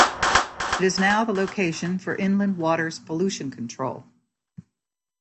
It is now the location for Inland Waters Pollution Control.